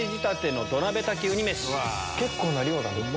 結構な量だね。